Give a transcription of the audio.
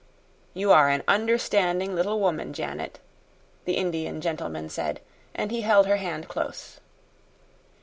"You are an understanding little woman, Janet," the Indian gentleman said, and he held her hand close.